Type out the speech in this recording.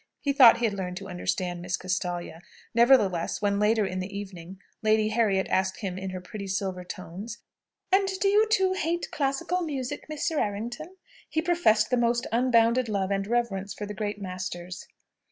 He thought he had learned to understand Miss Castalia. Nevertheless, when, later in the evening, Lady Harriet asked him in her pretty silver tones, "And do you, too, hate classical music, Mr. Errington?" he professed the most unbounded love and reverence for the great masters.